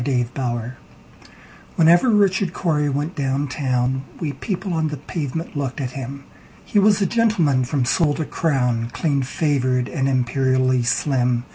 Richard Corey WHENEVER Richard Cory went down town, We people on the pavement looked at him:He was a gentleman from sole to crown, Clean favored, and imperially slim.